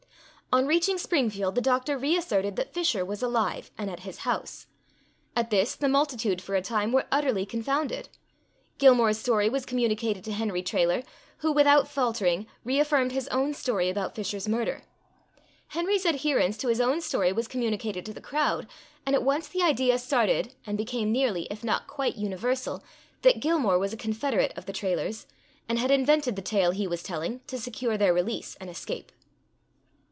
On reaching Springfield, the doctor re asserted that Fisher was alive, and at his house. At this, the multitude for a time, were utterly confounded. Gilmore's story was communicated to Henry Trailor, who without faltering, reaffirmed his own story about Fisher's murder. Henry's adherence to his own story was communicated to the crowd, and at once the idea started, and became nearly, if not quite universal, that Gilmore was a confederate of the Trailors, and had invented the tale he was telling, to secure their release and escape.